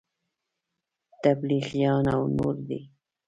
تبلیغیان او نور دي.